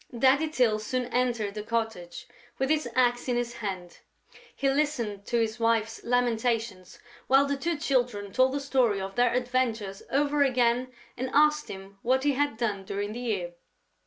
Daddy Tyl soon entered the cottage, with his axe in his hand; he listened to his wife's lamentations, while the two Children told the story of their adventures over again and asked him what he had done during the year.